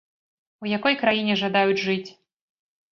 У якой краіне жадаюць жыць?